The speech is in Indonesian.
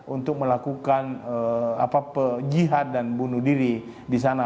untuk melakukan jihad dan bunuh diri di sana